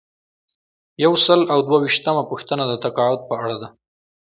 یو سل او دوه ویشتمه پوښتنه د تقاعد په اړه ده.